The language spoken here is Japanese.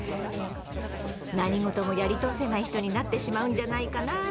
何事もやり通せない人になってしまうんじゃないかなと心配なんだそうです。